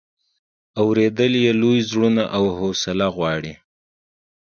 اورېدل یې لوی زړونه او حوصله غواړي.